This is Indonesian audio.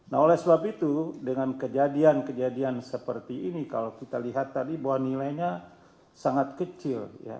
nah oleh sebab itu dengan kejadian kejadian seperti ini kalau kita lihat tadi bahwa nilainya sangat kecil